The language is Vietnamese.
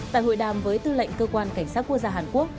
tại hội đàm với tư lệnh cơ quan cảnh sát quốc gia hàn quốc